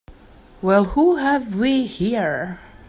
Well who have we here?